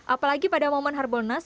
apalagi pada momen harbolnas